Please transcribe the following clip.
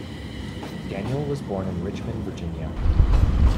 Daniel was born in Richmond, Virginia.